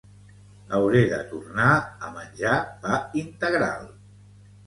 Hauré de tornar a menjar pa integral